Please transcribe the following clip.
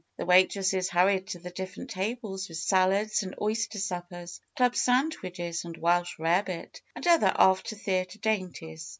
The waitresses hurried to the different tables with salads and oyster suppers, club sandwiches and welsh rarebit, and other after theater dainties.